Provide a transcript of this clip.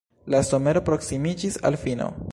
La somero proksimiĝis al fino.